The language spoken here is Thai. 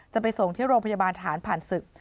จะไปส่งที่โรงพยาบาลฐานผ่านศึก